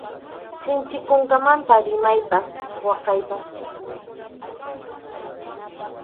Sinchi kunkamanta rimaypas waqaypas.